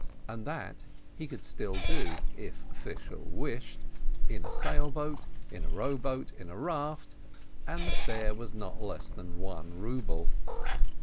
And that he could still do, if Fishel wished, in a sail boat, in a rowboat, in a raft, and the fare was not less than one ruble.